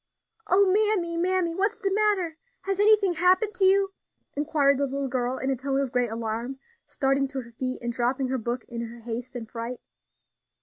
"O mammy, mammy! what's the matter? has anything happened to you?" inquired the little girl, in a tone of great alarm, starting to her feet, and dropping her book in her haste and fright.